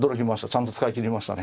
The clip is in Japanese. ちゃんと使い切りましたね。